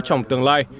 trong tương lai